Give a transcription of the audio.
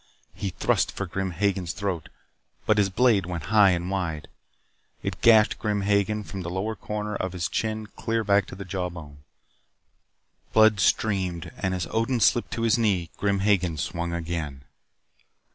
He thrust for Grim Hagen's throat, but his blade went high and wide. It gashed Grim Hagen from the lower corner of his chin clear back to the jawbone. Blood streamed and as Odin slipped to his knee Grim Hagen swung again.